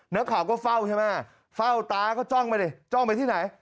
นักข่าวก็เฝ้าใช่ไหมฝ้าวตาก็จ้องไปที่ไหน